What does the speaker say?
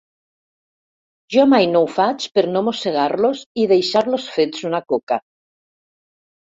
Jo mai no ho faig per no mossegar-los i deixar-los fets una coca.